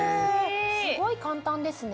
すごい簡単ですね。